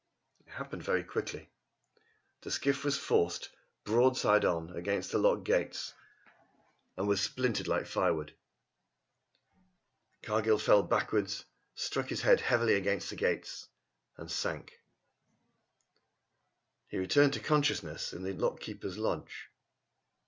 It happened very quickly. The skiff was forced, broadside on, against the lock gates, and was splintered like firewood. Cargill fell backwards, struck his head heavily against the gates and sank. He returned to consciousness in the lock keeper's lodge.